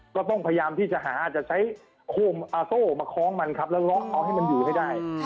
ก็ต้องพยายามที่จะหาอาจจะใช้โซ่มาคล้องมันครับแล้วเลาะเอาให้มันอยู่ให้ได้